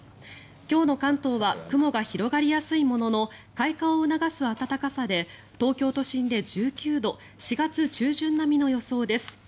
今日の関東は雲が広がりやすいものの開花を促す暖かさで東京都心で１９度４月中旬並みの予想です。